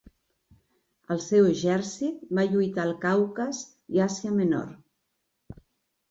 El seu exèrcit va lluitar al Caucas i a Àsia Menor.